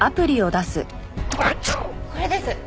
これです。